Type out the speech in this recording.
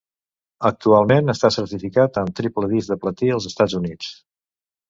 Actualment està certificat amb triple disc de platí als Estats Units.